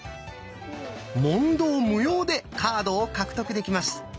問答無用でカードを獲得できます。